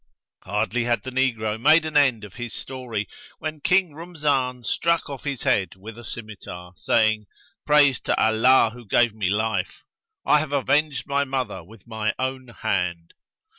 Hardly had the negro made an end of his story, when King Rumzan struck off his head with his scymitar, saying, Praise to Allah who gave me life! I have avenged my mother with my own hand."